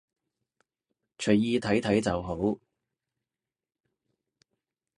隨意睇睇就好